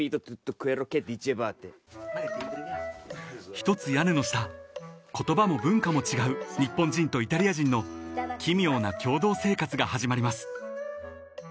［一つ屋根の下言葉も文化も違う日本人とイタリア人の奇妙な共同生活が始まります］